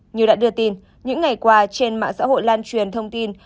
như đã đưa tin những ngày qua trên mạng xã hội lan truyền thông tin